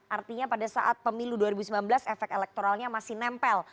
artinya pada saat pemilu dua ribu sembilan belas efek elektoralnya masih nempel